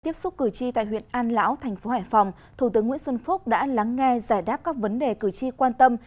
tiếp xúc cử tri tại huyện an lão thành phố hải phòng thủ tướng nguyễn xuân phúc đã lắng nghe giải đáp các vấn đề cử tri quan tâm